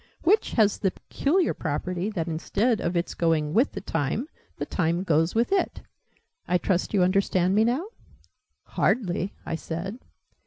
" which has the peculiar property that, instead of its going with the time, the time goes with it. I trust you understand me now?" "Hardly," I said.